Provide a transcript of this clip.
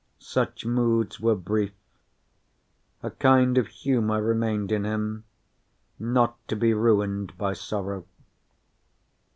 Such moods were brief. A kind of humor remained in him, not to be ruined by sorrow.